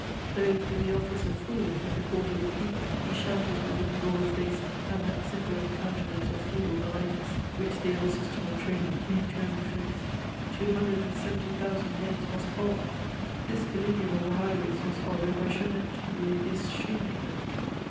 Clothed with the office of fool, at the court of the people, he shouted, with his broad face and that simpering countenance of feudal politeness, which the old system of training gave to every face :" People, two hundred and seventy thousand heads must fall." This Cali gula of the highways was followed by Chaumette, the atheist shoemaker.